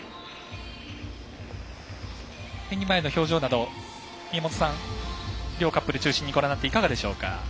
演技前の表情など両カップルを中心にご覧になっていかがでしょうか。